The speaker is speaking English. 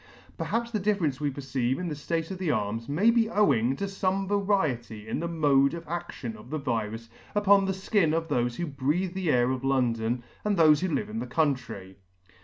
Perhaps the difference we perceive in the ftate of the arms may be owing to fome variety in the mode of action of the virus upon the fkin of thofe who breathe the air of London, and thofe who live in the country.